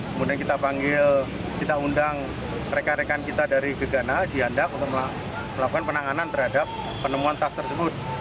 kemudian kita panggil kita undang rekan rekan kita dari gegana jihandak untuk melakukan penanganan terhadap penemuan tas tersebut